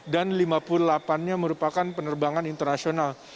dan lima puluh delapan nya merupakan penerbangan internasional